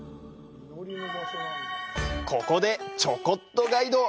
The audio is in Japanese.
ここでちょこっとガイド！